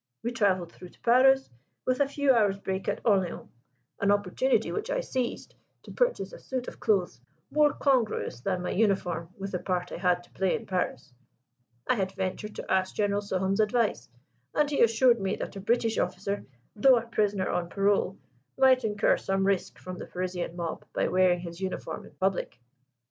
We travelled through to Paris, with a few hours' break at Orleans an opportunity which I seized to purchase a suit of clothes more congruous than my uniform with the part I had to play in Paris. I had ventured to ask General Souham's advice, and he assured me that a British officer, though a prisoner on parole, might incur some risk from the Parisian mob by wearing his uniform in public."